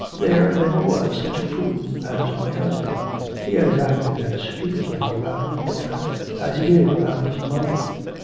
There never was such a fool as my husband. He has acted as stupidly about his daughter as he did about his money.